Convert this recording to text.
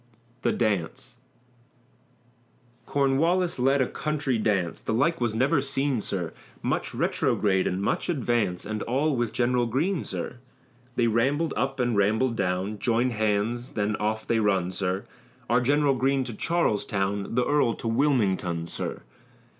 THE DANCE Cornwallis led a country dance, The like was never seen, sir, Much retrograde and much advance, And all with General Greene, sir. They rambled up and rambled down, Joined hands, then off they run, sir. Our General Greene to Charlestown, The earl to Wilmington, sir.